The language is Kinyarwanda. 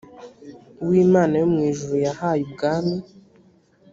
uwo imana yo mu ijuru yahaye ubwami